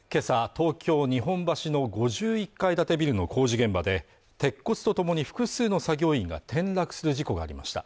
東京日本橋の５１階建てビルの工事現場で鉄骨とともに複数の作業員が転落する事故がありました